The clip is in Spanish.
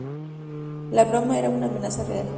La broma era una amenaza real.